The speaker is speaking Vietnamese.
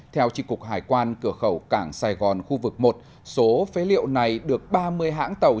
theo tri cục hải quan cửa khẩu cảng sài gòn khu vực một số phế liệu này được ba mươi hãng tàu